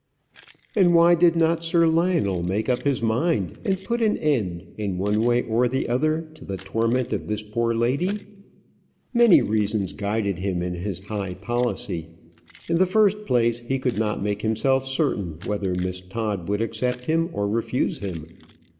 And why did not Sir Lionel make up his mind and put an end, in one way or the other, to the torment of this poor lady? Many reasons guided him in his high policy. In the first place, he could not make himself certain whether Miss Todd would accept him or refuse him.